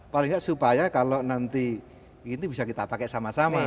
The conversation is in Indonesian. paling tidak supaya kalau nanti ini bisa kita pakai sama sama